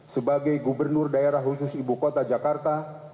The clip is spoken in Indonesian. sebagai gubernur daerah khusus ibu kota jakarta